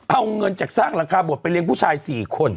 เอาเงินจากสร้างหลังคาบทไปเลี้ยงผู้ชาย๔คน